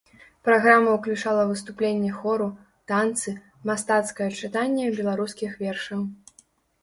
Праграма ўключала выступленне хору, танцы, мастацкае чытанне беларускіх вершаў.